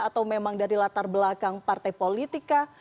atau memang dari latar belakang partai politik kah